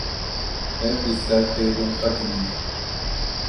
Ew li ser peyvên xwe dimîne.